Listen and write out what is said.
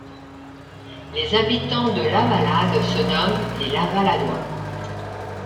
Les habitants de Lavalade se nomment les Lavaladois.